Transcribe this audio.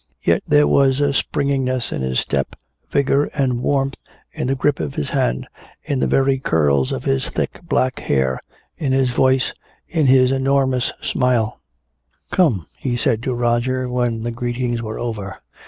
Yet there was a springiness in his step, vigor and warmth in the grip of his hand, in the very curl of his thick black hair, in his voice, in his enormous smile. "Come," he said to Roger, when the greetings were over.